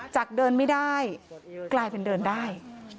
จากเดินไม่ได้กลายเป็นเดินได้